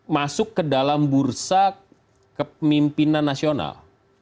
masuk ke dalam bursa kepemimpinan nasional